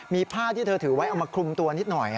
มีผ้าที่เธอถือไว้เอามาคลุมตัวนิดหน่อย